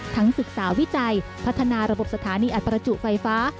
ศึกษาวิจัยพัฒนาระบบสถานีอัดประจุไฟฟ้า